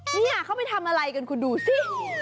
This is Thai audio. นี่เขาไปทำอะไรกันคุณดูสิ